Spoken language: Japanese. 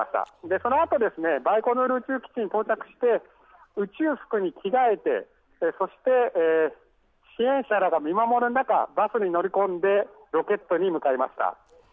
そのあと、バイコヌール宇宙基地に到着して宇宙服に着替えてそして支援者らが見守る中、バスに乗り込んでロケットに向かいました。